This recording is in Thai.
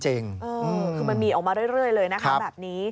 คือมันมีออกมาเรื่อยเลยนะครับ